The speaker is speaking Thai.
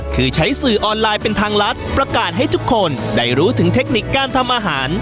คือใช้สื่อออนไลน์เป็นทางรัฐประกาศให้ทุกคนได้รู้ถึงเทคนิคการทำอาหาร